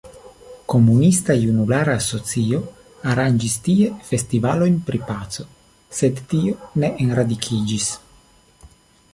Komunista Junulara Asocio aranĝis tie festivalojn pri Paco, sed tio ne enradikiĝis.